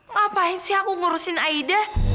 ngapain sih aku ngurusin aida